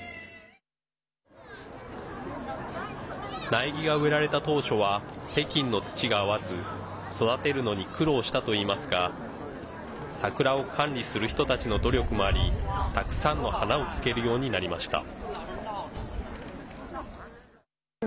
苗木が植えられた当初は北京の土が合わず育てるのに苦労したといいますが桜を管理する人たちの努力もありたくさんの花をつけるようになりました。